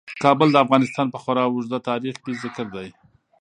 کابل د افغانستان په خورا اوږده تاریخ کې ذکر دی.